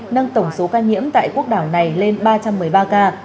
nâng tổng số ca nhiễm tại quốc đảo này lên ba trăm một mươi ba ca